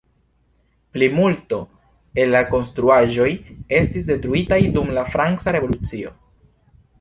Plimulto el la konstruaĵoj estis detruitaj dum la franca revolucio.